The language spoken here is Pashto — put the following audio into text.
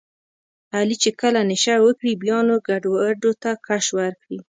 علي چې کله نشه وکړي بیا نو ګډوډو ته کش ورکړي.